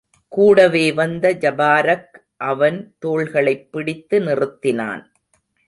கூடவே வந்த ஜபாரக் அவன் தோள்களைப் பிடித்து நிறுத்தினான்.